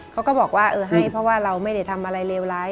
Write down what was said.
เขาก็บอกว่าเออให้เพราะว่าเราไม่ได้ทำอะไรเลวร้าย